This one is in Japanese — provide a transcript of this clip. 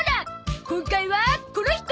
今回はこの人！